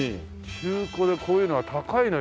中古でこういうのは高いの？